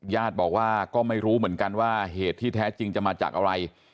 ญาติบอกว่าก็ไม่รู้เหมือนกันว่าเหตุที่แท้จริงจะมาจากอะไร